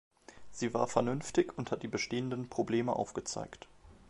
Sie war vernünftig und hat die bestehenden Probleme aufgezeigt.